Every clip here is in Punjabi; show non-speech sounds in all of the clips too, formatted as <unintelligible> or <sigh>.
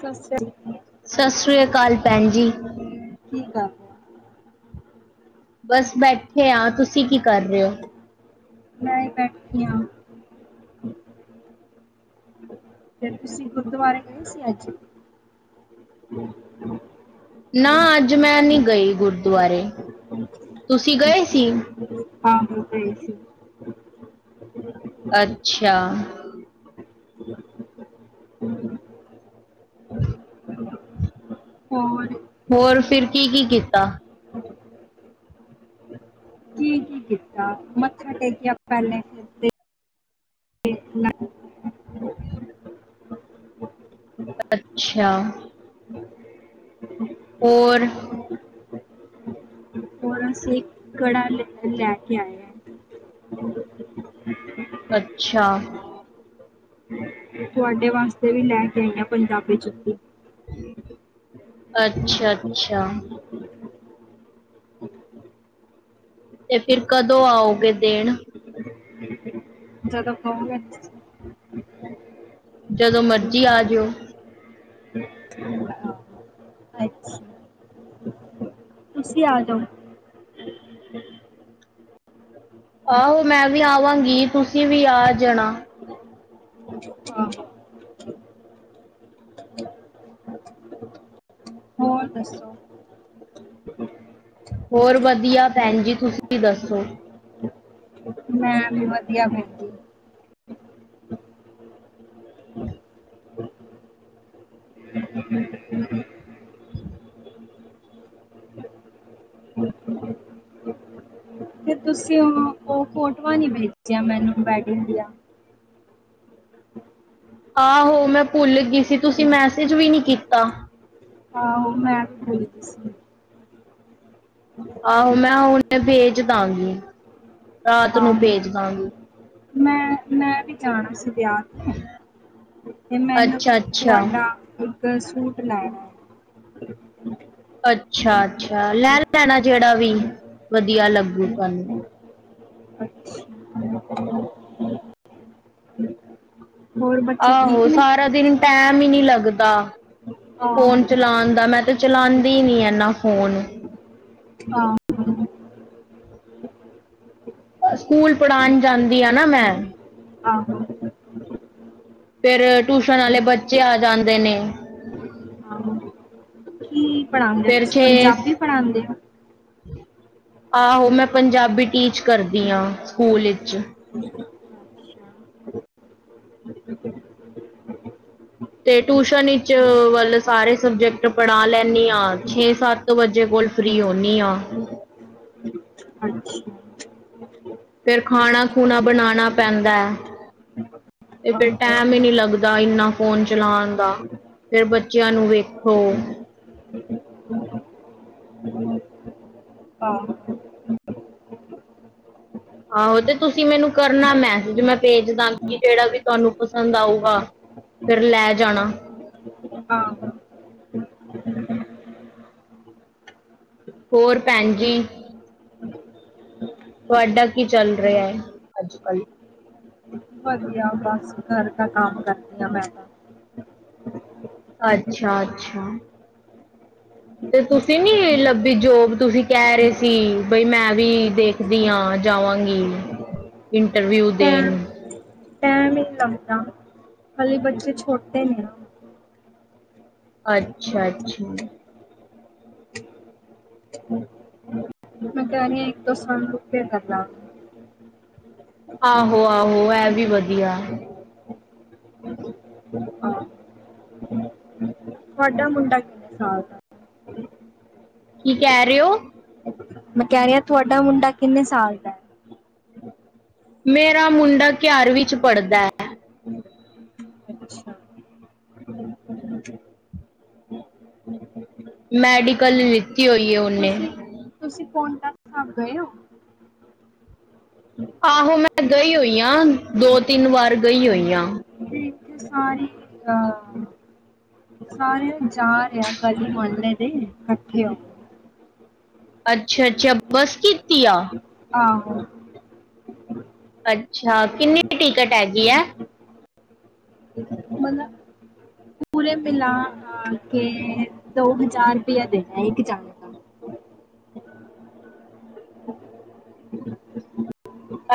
ਸਤਿ ਸ੍ਰੀ ਅਕਾਲ ਸਾਸਰੀ ਆ ਕਾਲ ਭੈਣ ਜੀ ਠੀਕ ਆ ਬਸ ਬੈਠੇ ਆ ਤੁਸੀਂ ਕੀ ਕਰ ਰਹੇ ਹੋ। ਮੈਂ ਹੀ ਬੈਠੀ ਆ ਫਿਰ ਤੁਸੀਂ ਗੁਰਦੁਆਰੇ ਗਏ ਸੀ, ਅੱਜ। <inaudible> ਨਾ ਅੱਜ ਮੈਂ ਨੀਂ ਗਈ ਗੁਰਦੁਆਰੇ, ਤੁਸੀਂ ਗਏ ਸੀ। ਆਹੋ ਗਈ ਸੀ। ‌ ਅੱਛਾ। <inaudible> ਹੋਰ। ਹੋਰ ਫਿਰ ਕੀ-ਕੀ ਕੀਤਾ ਕੀ ਕੀ ਕੀਤਾ, ਮੱਥਾ ਟੇਕਿਆ ਪਹਿਲੇ। ਫਿਰ ਤੇ <unintelligible> ਅੱਛਾ। ਹੋਰ। ਹੋਰ ਅਸੀਂ ਕੜਾ ਲੀ ਲੈ ਕੇ ਆਏ ਆ। ਅੱਛਾ। ਤੇ ਤੁਹਾਡੇ ਵਾਸਤੇ ਵੀ ਲੈ ਕੇ ਆਈ ਆ ਪੰਜਾਬੀ ਜੁੱਤੀ। ਅੱਛਾ- ਅੱਛਾ। ਤੇ ਫਿਰ ਕਦੋਂ ਆਓਗੇ ਦੇਣ। ਜਦੋਂ ਕਹੋਗੇ ਤੁਸੀਂ। ਜਦੋਂ ਮਰਜ਼ੀ ਆ ਜਇਓ। <inaudible> ਅੱਛਾ। ਤੁਸੀਂ ਆ ਜਾਓ। ਆਹੋ ਮੈਂ ਵੀ ਆਵਾਂਗੀ, ਤੁਸੀਂ ਵੀ ਆ ਜਾਣਾ। ਆਹ ਹੋਰ ਦੱਸੋ। ਹੋਰ ਵਧੀਆ ਭੈਣਜੀ, ਤੁਸੀਂ ਦੱਸੋ। ਮੈ ਵੀ ਵਧੀਆ ਫ <inaudible> <inaudible> ਤੁਸੀਂ ਉਹ ਫੋਟੋਆਂ ਨੀ ਭੇਜੀਆਂ, ਮੈਨੂੰ ਬੈਡਿੰਗ ਦੀਆਂ। ਆਹੋ ਮੈਂ ਭੁੱਲ ਗਈ ਸੀ ਤੁਸੀਂ ਮੈਸੇਜ ਵੀ ਨੀ ਕੀਤਾ। ਆਹੋ ਮੈਂ ਵੀ ਗਈ ਦੀ ਸੀ। ਆਹੋ ਮੈਂ ਹੁਣੇ ਭੇਜ ਦਾਂਗੀ, ਰਾਤ ਆਹੋ ਨੂੰ ਭੇਜ ਦਾਂਗੀ। ਮੈਂ- ਮੈਂ ਵੀ ਜਾਣਾਂ ਸੀ ਵਿਆਹ ਤੇ- ਤੇ ਮੈਨੂੰ ਵੀ ਅੱਛਾ ਅੱਛਾ ਤੁਹਾਡਾ। ਇੱਕ ਸੂਟ ਲੈਣ ਅੱਛਾ- ਅੱਛਾ ਲੈ ਲੈਣਾ ਜਿਹੜਾ ਵੀ ਵਧੀਆ ਲੱਗੂ ਤੁਹਾਨੂੰ। ਅੱਛਾ। ਹੋਰ ਬੱਚੇ ਆਹੋ ਠੀਕ ਨੇ ਸਾਰਾ ਦਿਨ ਟੈਮ ਈ ਨੀ ਲੱਗਦਾ, ਫੋਨ ਆਹੋ ਚਲਾਣ ਦਾ ਮੈਂ ਤੇ ਚਲਾਦੀ ਈ ਨੀ ਐਨਾ ਫ਼ੋਨ। ਹਾਂ। <unintelligible> ਆ ਸਕੂਲ ਪੜਾਣ ਜਾਂਦੀ ਆ ਨਾ ਮੈਂ। ਆਹੋ। ਫੇਰ ਟੂਸ਼ਨ ਵਾਲੇ ਬੱਚੇ ਆ ਜਾਂਦੇ ਨੇ। ਹਾਂ ਪੜਾਦੇ ਔ ਫਿਰ ਤੁਸੀਂ ਛੇ ਪੰਜਾਬੀ ਪੜਾਦੇ ਔ? ਆਹੋ ਮੈਂ ਪੰਜਾਬੀ ਟੀਚ ਕਰਦੀ ਆ ਸਕੂਲ ਵਿੱਚ। ਤੇ ਟਿਊਸ਼ਨ ਵਿੱਚ ਵੱਲ ਸਾਰੇ ਸਬਜੈਕਟ ਪੜ੍ਹਾ ਲੈਂਨੀ ਆ ਛੇ ਸੱਤ ਸੱਤ ਵਜੇ ਕੋਲ ਫ੍ਰੀ ਹੁੰਨੀ ਆ। ਅੱਛਾ। ਫੇਰ ਖਾਣਾ ਖੂਣਾ ਬਣਾਣਾ ਪੈਂਦਾ ਐ। ਤੇ ਫੇਰ ਆਹੋ ਟੈਮ ਈ ਨੀ ਲੱਗਦਾ ਇਨਾ ਫੋਨ ਚਲਾਣ ਦਾ। ਫਿਰ ਬੱਚਿਆਂ ਨੂੰ ਵੇਖੋ ਹੂੰ ਆਹੋ ਤੇ ਤੁਸੀਂ ਮੈਨੂੰ ਕਰਨਾ ਮੈਸੇਜ ਮੈਂ ਭੇਜ ਦਾਂਗੀ ਜਿਹੜਾ ਵੀ ਤੁਹਾਨੂੰ ਪਸੰਦ ਆਊਗਾ। ਫਿਰ ਲੈ ਜਾਣਾ। ਆਹੋ। ਹੋਰ ਭੈਣ ਜੀ। ਤੁਹਾਡਾ ਕੀ ਚੱਲ ਰਿਹਾ ਐ ਅੱਜ ਕੱਲ? ਵਧੀਆ ਬਸ ਘਰ ਦਾ ਕੰਮ ਕਰਦੀ ਆ ਮੈਂ, ਅੱਛਾ-ਅੱਛਾ, ਤੇ ਤੁਸੀਂ ਨੀ ਲੱਭੀ ਜੋਬ ਤੁਸੀਂ ਕਹਿ ਰੇ ਸੀ ਬਈ ਮੈਂ ਵੀ ਦੇ ਦੀ ਆ ਜਾਵਾਂਗੀ, ਇੰਟਰਵਿਊ ਦੇਣ। ਨਈ ਲੱਗਨਾ, ਹਲੇ ਬੱਚੇ ਛੋਟੇ ਨੇ ਅੱਛਾ ਅੱਛਾ, ਮੈਂ ਕਿਹਾ ਰੀ ਆ ਇੱਕ ਦੋ ਸਾਲ ਰੁਕ ਕੇ ਕਰਲਾ। ਆਹੋ ਆਹੋ ਇਹ ਵੀ ਵਧੀਆ। ਹਾਂ, ਤੁਹਾਡਾ ਮੁੰਡਾ ਕਿੰਨੇ ਸਾਲ ਦਾ? ਕੀ ਕਹਿ ਰੇ ਔ? ਮੈਂ ਕਹਿ ਰੀ ਆ ਤੁਹਾਡਾ ਮੁੰਡਾ ਕਿੰਨੇ ਸਾਲ ਦਾ? ਮੇਰਾ ਮੁੰਡਾ ਕਿਆਰਵੀਂ ਵਿੱਚ ਪੜ੍ਹਦਾ ਐ। ਹੈ ਅੱਛਾ ਮੈਡੀਕਲ ਲਿੱਤੀ ਹੋਈ ਐ ਉਹਨੇ, ਤੁਸੀਂ ਤੁਸੀਂ ਫੋਨ ਕੱਟ ਕਰ ਗਏ ਔ? ਆਹੋ ਮੈਂ ਗਈ ਹੋਈ ਆ ਦੋ ਤਿੰਨ ਵਾਰ ਗਈ ਹੋਈ ਆ। ਠੀਕ ਐ, ਸਾਰੇ ਹਾਂ, ਸਾਰਿਆਂ ਜਾ ਰਿਹਾ ਕੱਲ ਮੰਨਲੇ ਤੇ ਕੱਠੇ ਔ ਅੱਛਾ-ਅੱਛਾ ਬੱਸ ਕੀਤੀ ਆ? ਆਹੋ, ਅੱਛਾ ਕਿੰਨੀ ਟਿਕਟ ਹੈਗੀ ਐ? <inaudible> ਪੂਰੇ ਮਿਲਾ ਆ ਕੇ ਦੋ ਹਜ਼ਾਰ ਰੁਪਇਆ ਦੇਣਾ ਇੱਕ ਜਾਣੇ ਦਾ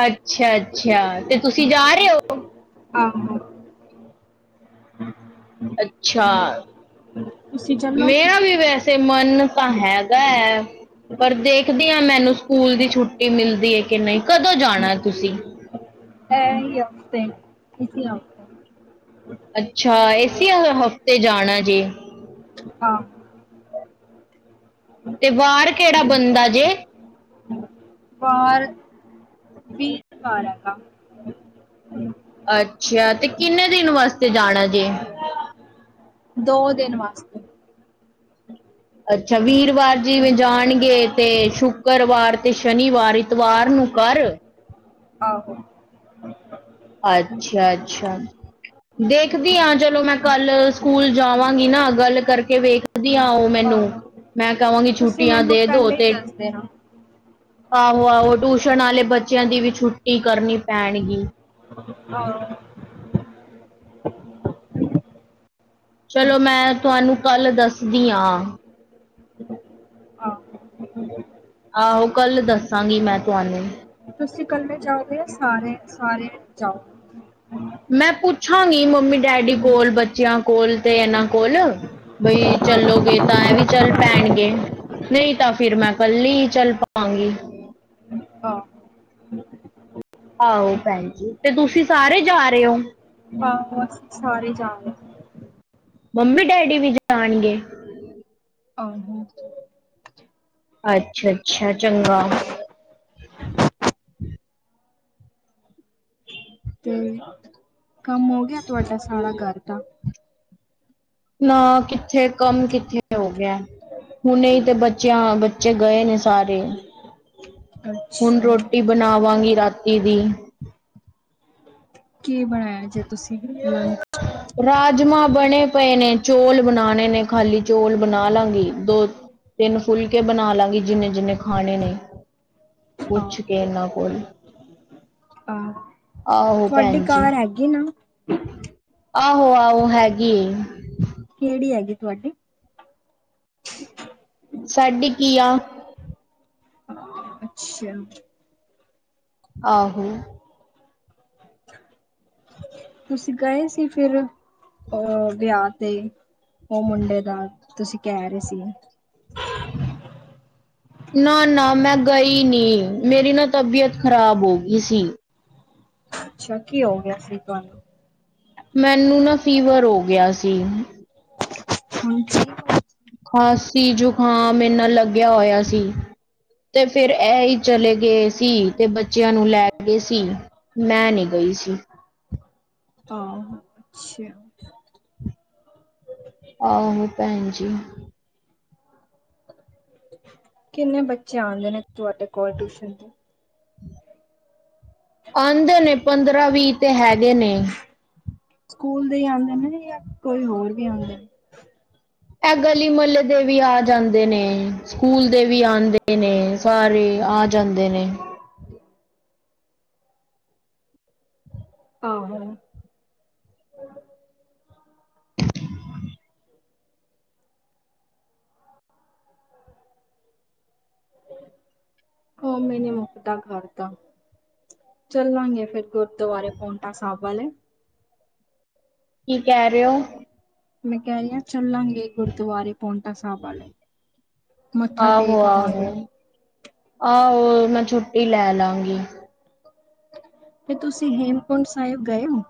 ਅੱਛਾ-ਅੱਛਾ ਤੇ ਤੁਸੀਂ ਜਾ ਰੇ ਔ? ਆਹੋ, ਅੱਛਾ, ਤੁਸੀਂ ਚੱਲੋਗੇ ਮੇਰਾ ਵੀ ਵੈਸੇ ਤੇ ਮਨ ਤਾਂ ਹੈਗਾ ਐ ਪਰ ਦੇਖਦੇ ਆ ਮੈਨੂੰ ਸਕੂਲ ਦੀ ਛੁੱਟੀ ਮਿਲਦੀ ਐ ਕਿ ਨਈ, ਕਦੋਂ ਜਾਣਾ ਤੁਸੀਂ? ਐਹੀ ਹਫ਼ਤੇ ਇਸੀ ਹਫ਼ ਅੱਛਾ ਏਸੀ ਅ ਹਫ਼ਤੇ ਜਾਣਾ ਜੇ? ਹਾਂ। ਤੇ ਬਾਰ ਕੇੜਾ ਬੰਦਾ ਜੇ? ਬਾਰ ਘਰ ਐਗਾ। ਅੱਛਾ ਤੇ ਕਿੰਨੇ ਦਿਨ ਵਾਸਤੇ ਜਾਣਾ ਜੇ? ਦੋ ਦਿਨ ਵਾਸਤੇ। ਅੱਛਾ ਵੀਰਵਾਰ ਜਿਵੇਂ ਜਾਣਗੇ 'ਤੇ ਸ਼ੁੱਕਰਵਾਰ 'ਤੇ ਸ਼ਨੀਵਾਰ, ਇਤਵਾਰ ਨੂੰ ਘਰ। ਆਹੋ। ਅੱਛਾ-ਅੱਛਾ। ਦੇਖਦੀ ਆ ਚਲੋ ਮੈਂ ਕੱਲ ਸਕੂਲ ਜਾਵਾਂਗੀ ਨਾ ਗੱਲ ਕਰਕੇ ਵੇਖ ਦੀਆਂ ਓ ਮੈਨੂੰ ਆਹੋ ਮੈਂ ਕਵਾਂਗੀ ਤੁਸੀਂ ਛੁੱਟੀਆਂ ਮੈਨੂੰ ਦੇ ਦੋ ਪਹਿਲੇ ਹੀ 'ਤੇ ਦੱਸ ਦੇਣਾ ਆਹੋ-ਆਹੋ ਟਿਊਸ਼ਨ ਆਲੇ ਬੱਚਿਆਂ ਦੀ ਵੀ ਛੁੱਟੀ ਕਰਨੀ ਪੈਣਗੀ। ਆਂ। ਚਲੋ ਮੈਂ ਤੁਹਾਨੂੰ ਕੱਲ ਦੱਸਦੀ ਆ। ਆਹੋ ਆਹੋ ਕੱਲ ਦੱਸਾਂਗੀ ਮੈਂ ਤੁਹਾਨੂੰ। ਤੁਸੀਂ ਕੱਲੇ ਜਾਓਗੇ ਜਾਂ ਸਾਰੇ, ਸਾਰੇ ਜਾਓ। ਮੈਂ ਪੁੱਛਾਂਗੀ ਮੰਮੀ ਡੈਡੀ ਕੋਲ, ਬੱਚਿਆਂ ਕੋਲ 'ਤੇ ਐਨਾਂ ਕੋਲ ਬਈ ਆਹੋ ਚੱਲੋਗੇ ਤਾਂ ਐ ਵੀ ਚੱਲ ਪੈਣਗੇ। ਨਈ ਤਾਂ ਫਿਰ ਮੈਂ ਕੱਲੀ ਚੱਲ ਪਾਂਗੀ। ਆਹੋ ਆਹੋ ਭੈਣ ਜੀ 'ਤੇ ਤੁਸੀਂ ਸਾਰੇ ਜਾ ਰੇ ਓ? ਹਾਂ ਅਸੀਂ ਸਾਰੇ ਜਾਣ। ਮੰਮੀ ਡੈਡੀ ਵੀ ਜਾਣਗੇ? <inaudible> ਅੱਛਾ-ਅੱਛਾ ਚੰਗਾ। ਤੇ ਕੰਮ ਹੋ ਗਿਆ ਤੁਹਾਡਾ ਸਾਰਾ ਗਰ ਦਾ? ਨਾ ਕਿੱਥੇ ਕੰਮ ਕਿੱਥੇ ਹੋ ਗਿਆ। ਹੁਣੇ ਈ ਤੇ ਬੱਚਿਆਂ ਬੱਚੇ ਗਏ ਨੇ ਸਾਰੇ। ਹੁਣ ਅੱਛਾ ਰੋਟੀ ਬਣਾਵਾਂਗੀ ਰਾਤੀ ਦੀ। ਕੀ ਬਣਾਇਆ ਜੇ ਤੁਸੀਂ ਲੰਚ? ਰਾਜਮਾਂ ਬਣੇ ਪਏ ਨੇ ਚੌਲ ਬਣਾਣੇ ਨੇ ਖਾਲੀ ਚੌਲ ਬਣਾ ਲਾਂਗੀ ਦੋ ਤਿੰਨ ਫੁੱਲਕੇ ਬਣਾ ਲਾਂਗੀ ਜਿੰਨੇ-ਜਿੰਨੇ ਖਾਣੇ ਨੇ। ਪੁੱਛ ਕੇ ਏਨਾਂ ਕੋਲ। ਆ ਤੁਹਾਡੀ ਕਵਰ ਐਗੀ ਨਾ। ਆਹੋ-ਆਹੋ ਹੈਗੀ ਏ। ਕੇੜੀ ਐਗੀ ਤੁਹਾਡੀ? ਸਾਡੇ ਕੀ ਆ। ਅੱਛਾ। ਆਹੋ! ਤੁਸੀਂ ਗਏ ਸੀ ਫਿਰ? ਓ ਵੇਆ ਤੇ ਓ ਮੁੰਡੇ ਦਾ ਤੁਸੀਂ ਕੈ ਰੇ ਸੀ। <inaudible> ਨਾ-ਨਾ ਮੈਂ ਗਈ ਨੀ ਮੇਰੀ ਨਾ ਤਬੀਅਤ ਖ਼ਰਾਬ ਹੋਗੀ ਸੀ। ਅੱਛਾ ਕੀ ਹੋ ਗਿਆ ਸੀ ਤੁਹਾਨੂੰ? ਮੈਨੂੰ ਨਾ ਫੀਵਰ ਹੋ ਗਿਆ ਸੀ। <inaudible> ਖਾਸੀ, ਜੁਖਾਮ ਏਨ੍ਹਾਂ ਲੱਗਿਆ ਹੋਇਆ ਸੀ। ਤੇ ਫੇਰ ਇਹ ਈ ਚਲੇ ਗਏ ਸੀ ਤੇ ਬੱਚਿਆਂ ਨੂੰ ਲੈ ਗਏ ਸੀ। ਮੈਂ ਨੀ ਗਈ ਸੀ। ਹਾਂ। ਅੱਛਾ। ਆਹੋ ਭੈਣ ਜੀ। ਕਿੰਨੇ ਬੱਚੇ ਆਂਦੇ ਨੇ ਤੁਹਾਡੇ ਕੋਲ ਟਿਊਸ਼ਨ ਤੇ? ਆਂਦੇ ਨੇ ਪੰਦਰਾਂ, ਵੀਹ ਤੇ ਹੈਗੇ ਨੇ। ਸਕੂਲ ਦੇ ਆਂਦੇ ਨੇ ਯਾ ਕੋਈ ਹੋਰ? ਵੀ ਆਂਦੇ ਨੇ। ਐ ਗਲੀ ਮੱਲੇ ਦੇ ਵੀ ਆ ਜਾਂਦੇ ਨੇ। ਸਕੂਲ ਦੇ ਵੀ ਆਂਦੇ ਨੇ ਸਾਰੇ ਆ ਜਾਂਦੇ ਨੇ। ਆਹੋ। ਕੰਮ ਈ ਨੀ ਮੁੱਕਦਾ ਘਰ ਦਾ ਚੱਲਾਂਗੇ ਫੇਰ ਗੁਰੂਦੁਆਰਾ ਪੋਂਟਾ ਸਾਹਬ ਵਾਲੇ। ਕੀ ਕੈ ਰੇ ਔ? ਮੈਂ ਕੈ ਰੀ ਆ ਚੱਲਾਂਗੇ ਗੁਰਦੁਆਰੇ। ਪੋਟਾ ਸਾਹਬ ਵਾਲੇ ਮੱਥਾ ਆਹੋ ਟੇਕ ਆਵਾਂਗੇ। ਆਹੋ ਆਹੋ ਮੈਂ ਛੁੱਟੀ ਲੈ ਲਾਗੀ। ਤੇ ਤੁਸੀਂ ਹੇਮਕੁੰਡ ਸਾਹਿਬ ਗਏ ਓ?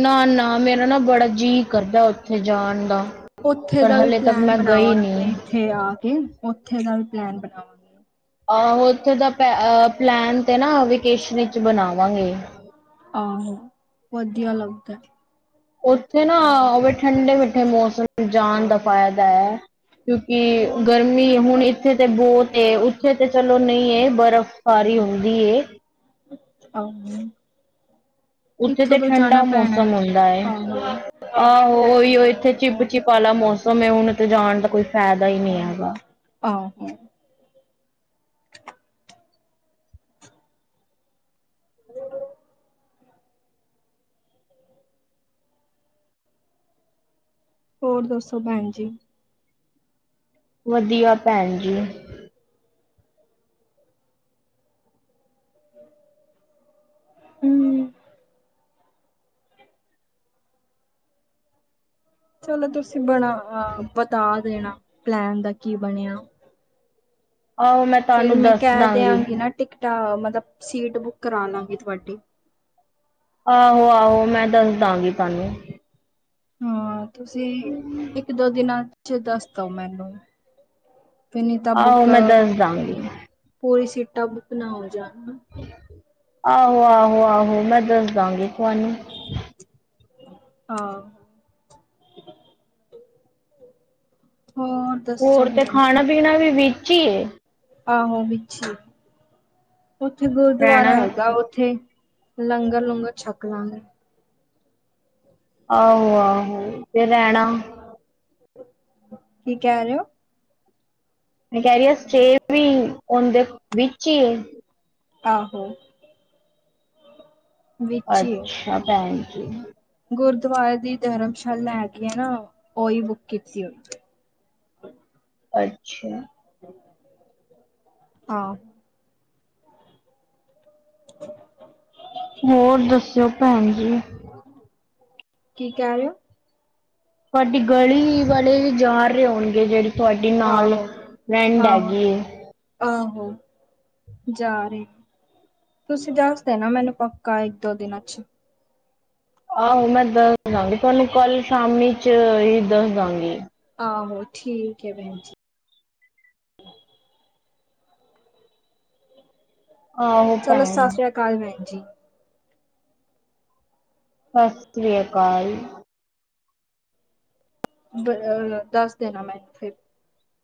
ਨਾ-ਨਾ ਮੇਰਾ ਨਾ ਬੜਾ ਜੀ ਕਰਦਾ ਉੱਥੇ ਜਾਣ ਦਾ। ਉੱਥੇ ਪਰ ਦਾ ਵੀ ਹਲੇ ਤੱਕ ਪਲੈਨ ਮੈਂ ਗਈ ਨਹੀਂ ਬਣਾਵਾਂਗੇ ਇੱਥੇ ਆ ਕੇ ਉੱਥੇ ਦਾ ਵੀ ਪਲੈਨ ਬਣਾਵਾ ਆਹੋ ਉੱਥੇ ਦਾ ਪ ਪਲੈਨ ਤੇ ਨਾ ਵਿਕੇਸ਼ਨ ਵਿਚ ਬਣਾਵਾਂਗੇ। ਆਹੋ ਵਧੀਆ ਲੱਗਦਾ। ਉੱਥੇ ਨਾ ਉਹ ਵੀ ਠੰਡੇ ਮਿੱਠੇ ਮੌਸਮ ਜਾਣ ਦਾ ਫਾਇਦਾ ਹੈ ਕਿਉਂਕਿ ਗਰਮੀ ਹੁਣ ਇਥੇ ਤੇ ਬੋਤ ਏ ਉੱਥੇ ਤੇ ਚਲੋ ਨਈ ਏ ਚਲੋ ਬਰਫ਼ ਪਾਰੀ ਹੁੰਦੀ ਏ। ਆਹ <unintelligible> ਉੱਥੇ ਤੇ ਠੰਡਾ ਪੈਣਾ ਮੌਸਮ ਹੈ। ਹੁੰਦਾ ਏ। ਆਹੋ ਆਹੋ ਉਹੀਔ ਇੱਥੇ ਚਿਪ-ਚਿਪ ਆਲਾ ਮੌਸਮ ਏ ਹੁਣੇ ਤੇ ਜਾਣ ਦਾ ਕੋਈ ਫੇਦਾ ਈ ਨੀ ਹੈਗਾ। ਆਹੋ। <unintelligible> ਹੋਰ ਦੱਸੋ ਭੈਣ ਜੀ। ਵਧੀਆ ਭੈਣ ਜੀ। ਹੂੰ। ਚਲੋ ਤੁਸੀਂ ਬਣਾ ਅ ਬਤਾ ਦੇਣਾ ਪਲੈਨ ਦਾ ਕੀ ਬਣਿਆ। ਆਹੋ ਫੇਰ ਤੁਹਾਨੂੰ ਮੈਂ ਦੱਸ ਕਐ ਦਾਂਗੀ ਦਿਆਂਗੀ ਨਾ ਟਿਕਟਾਂ ਮਤਲਬ ਸੀਟ ਬੁੱਕ ਕਰਾ ਲਾਗੀ ਤੁਹਾਡੀ। ਆਹੋ-ਆਹੋ ਮੈਂ ਦੱਸ ਦਵਾਂਗੀ ਤੁਹਾਨੂੰ। ਹਾਂ ਤੁਸੀਂ ਇੱਕ ਦੋ ਦਿਨਾਂ ਚ ਦੱਸ ਦੋ ਮੈਨੂੰ। ਫੇ ਨੀ ਤਾਂ ਆਹੋ ਬੁੱਕ, ਮੈਂ ਦੱਸ ਦਾਂਗੀ ਪੂਰੀ ਸੀਟਾਂ ਬੁੱਕ ਨਾ ਹੋ ਜਾਣ। ਆਹੋ-ਆਹੋ, ਆਹੋ ਮੈਂ ਦੱਸ ਦਾਂਗੀ ਤੁਹਾਨੂੰ। ਆ ਹੋਰ ਦੱਸੋ ਹੋਰ ਤੇ ਭੈਣ ਜੀ? ਖਾਣਾ ਪੀਣਾ ਵੀ ਵਿੱਚ ਈ ਏ। ਆਹੋ ਵਿੱਛੇ, ਓਥੇ ਗੁਰਦੁਆਰਾ ਰਹਿਣਾ ਹੈਗਾ ਓਥੇ। ਲੰਗਰ ਲੂੰਗਰ ਛਕਲਾਂਗੇ। ਆਹੋ-ਆਹੋ ਤੇ ਰੈਨਾ। ਕੀ ਕੈ ਰੇ ਓ? ਮੈਂ ਕੈ ਰਈ ਆਂ ਸਟੇਫਰੀ ਵੀ ਓਦੇ ਵਿੱਚ ਈ ਏ। ਆਹੋ। ਵਿੱਚ ਹੀ ਹੈ। ਅੱਛਾ ਭੈਨ ਜੀ। ਗੁਰਦੁਆਰੇ ਦੀ ਧਰਮਸ਼ਾਲਾ ਹੈਗੀ ਐ ਨਾ ਓਈ ਬੁੱਕ ਕੀਤੀ ਓਥੇ। ਅੱਛੇਆ। ਐਦਾਂ ਈ ਹਾਂ। <inaudible> ਹੋਰ ਦੱਸੇਓ ਭੈਨ ਜੀ। ਕੀ ਕੈ ਰੇ ਓਂ? ਤੁਆਡੀ ਗਲੀ ਵਾਲੇ ਵੀ ਜਾ ਰਏ ਹੋਨਗੇ ਜੇੜੇ ਥੁਆਡੀ ਨਾਲ ਆਹੋ ਫਰੈਂਡ ਆਹੋ ਹੈਗੀ ਏ। ਆਹੋ ਜਾ ਰੇ ਤੁਸੀਂ ਦੱਸ ਦੇਨਾ ਮੈਨੂੰ ਪੱਕਾ ਇੱਕ ਦੋ ਦਿਨਾਂ ਚ ਆਹੋ, ਮੈਂ ਦੱਸਦਾਂਗੀ ਤੁਆਨੂੰ ਕੱਲ ਸ਼ਾਮੀ ਚ ਈ ਦੱਸਦਾਂਗੀ। ਆਹੋ, ਠੀਕ ਏ ਭੈਨ ਜੀ। ਆਹੋ ਚਲੋ ਭੈਣ ਸਸਰੀਆ ਕਾਲ ਬੈਨ ਜੀ। ਸਸ ਰੀਆ ਕਾਲ। ਅ ਦੱਸ ਦੇਨਾ ਮੈਨੂੰ ਫੇਰ।